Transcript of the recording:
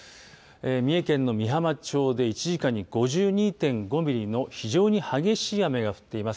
三重県の御浜町で１時間に５２．５ミリの非常に激しい雨が降っています。